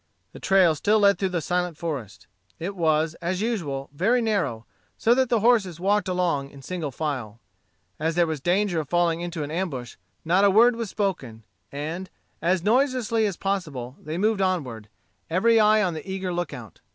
The trail still led through the silent forest. It was, as usual, very narrow, so that the horses walked along in single file. As there was danger of falling into an ambush, not a word was spoken, and, as noiselessly as possible, they moved onward, every eye on the eager lookout.